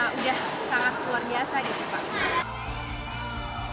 memang udah sangat luar biasa gitu pak